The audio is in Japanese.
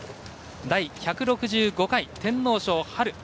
第１６５回天皇賞。